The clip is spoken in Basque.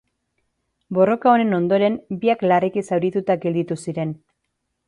Borroka honen ondoren biak larriki zaurituta gelditu ziren.